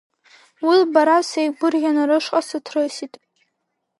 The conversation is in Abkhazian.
Уи лбара сеигәырӷьаны рышҟа сыҭрысит.